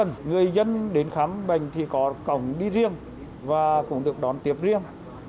người dân đến khám bệnh thì có cổng đi riêng và cũng được đón tiếp riêng